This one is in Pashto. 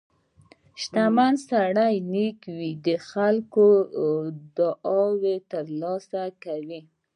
• شتمن سړی که نیک وي، د خلکو دعاوې ترلاسه کوي.